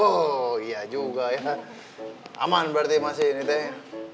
oh iya juga ya aman berarti masih ini tehnya